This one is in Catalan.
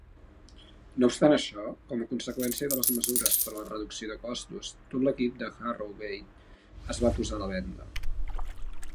No obstant això, com a conseqüència de les mesures per a la reducció de costos, tot l'equip de Harrogate es va posar a la venda.